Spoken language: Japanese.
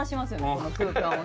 この空間を。